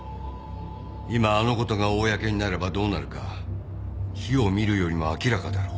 今あの事が公になればどうなるか火を見るよりも明らかだろう。